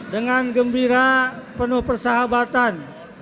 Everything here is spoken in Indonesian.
dengan gembira penuh persahabatan